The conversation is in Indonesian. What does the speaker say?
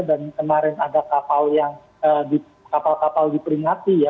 dan kemarin ada kapal yang di kapal kapal diperingati ya